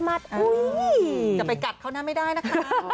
โอ๊ยจะไปกัดเขาน่าไม่ได้นะคะ